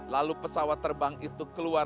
lalu pesawat terbang itu keluar